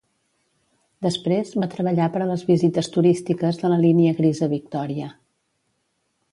Després, va treballar per a les visites turístiques de la Línia Gris a Victoria.